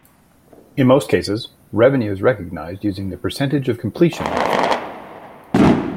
In most cases, revenue is recognized using the Percentage of Completion Method.